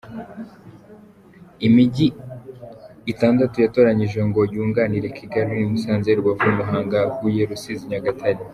Imijyi itandatu yatoranyijwe ngo yunganire Kigali ni Musanze, Rubavu, Muhanga, Huye, Rusizi na Nyagatare.